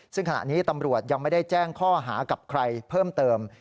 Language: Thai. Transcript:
ซึ่งขณะนี้ตำรวจยังไม่ได้แจ้งข้อหากับใครเพิ่มเติม